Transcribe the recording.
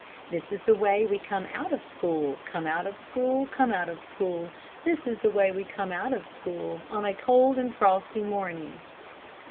This is the way we come out of school, Come out of school, come out of school, This is the way we come out of school, On a cold and frosty morning.